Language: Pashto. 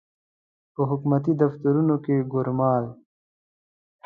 په حکومتي دفترونو کې ګومارل.